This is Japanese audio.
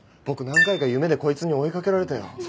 僕何回か夢でこいつに追い掛けられたよ。